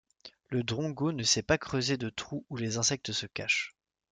Le drongo ne sait pas creuser de trous où les insectes se cachent.